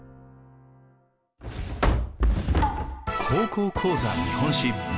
「高校講座日本史」。